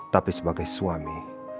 tapi sebagai suami